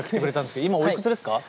今おいくつですか？